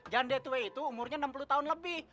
janda tua itu umurnya enam puluh tahun lebih